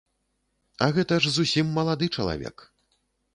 А гэта ж зусім малады чалавек.